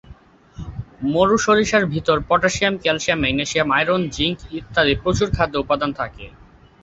মরু-সরিষার ভিতর potassium, calcium, magnesium, iron, zinc ইত্যাদি প্রচুর খাদ্য-উপাদান থাকে।